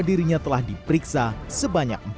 dirinya telah diperiksa sebanyak